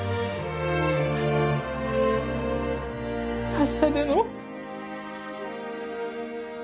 達者でのう。